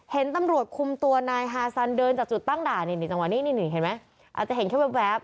เห็นตำรวจคุมตัวนายฮาซันเดินจากจุดตั้งด่านนี่จังหวะนี้นี่เห็นไหมอาจจะเห็นแค่แว๊บ